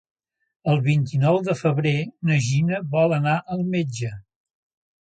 El vint-i-nou de febrer na Gina vol anar al metge.